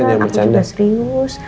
beneran aku juga serius